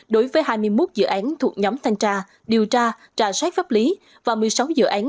đối với hai mươi một dự án thuộc nhóm thanh tra điều tra trả sát pháp lý và một mươi sáu dự án